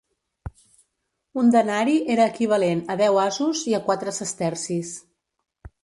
Un denari era equivalent a deu asos i a quatre sestercis.